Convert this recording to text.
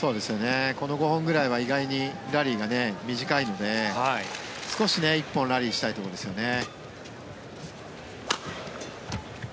この５本ぐらいは意外にラリーが短いので少し１本ラリーしたいところですよね。